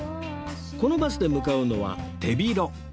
このバスで向かうのは手広